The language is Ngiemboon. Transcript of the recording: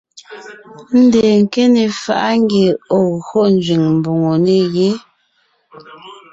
Ndeen nke ne faʼa ngie ɔ̀ gyo nzẅìŋ mbòŋo ne yé.